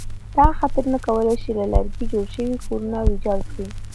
دغه خطرونه کولای شي له لرګي جوړ شوي کورونه ویجاړ کړي.